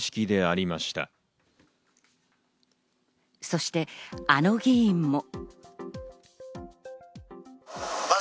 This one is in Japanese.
そしてあの議員も。